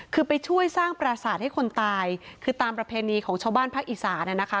คือไปช่วยสร้างประสาทให้คนตายคือตามประเพณีของชาวบ้านภาคอีสานนะคะ